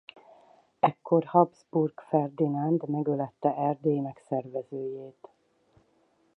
Ekkor Habsburg Ferdinánd megölette Erdély megszervezőjét.